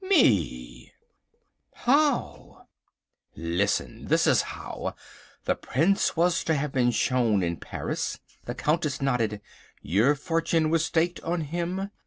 "Me!" "How?" "Listen. This is how. The Prince was to have been shown at Paris." The Countess nodded. "Your fortune was staked on him?"